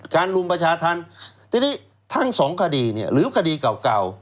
รุมประชาธรรมทีนี้ทั้งสองคดีเนี่ยหรือคดีเก่า